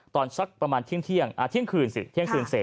ตอนสักประมาณเที่ยงเที่ยงอ่าเที่ยงคืนสิ